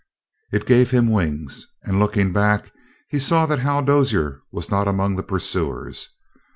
It gave him wings. And, looking back, he saw that Hal Dozier was not among the pursuers.